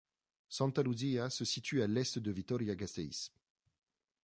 Santa Luzia se situe à l'est de Vitoria-Gasteiz.